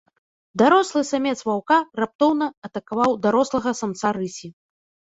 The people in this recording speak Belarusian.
Дарослы самец ваўка раптоўна атакаваў дарослага самца рысі.